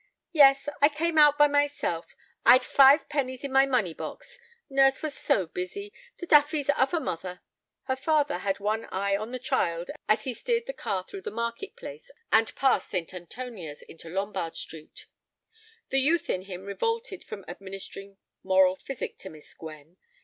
"Yes. I came out by myself. I'd five pennies in my money box. Nurse was so busy. The daffies are for mother." Her father had one eye on the child as he steered the car through the market place and past St. Antonia's into Lombard Street. The youth in him revolted from administering moral physic to Miss Gwen.